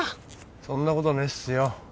そんなことねえっすよ